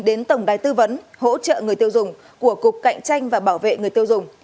đến tổng đài tư vấn hỗ trợ người tiêu dùng của cục cạnh tranh và bảo vệ người tiêu dùng